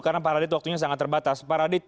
karena pak radit waktunya sangat terbatas pak radit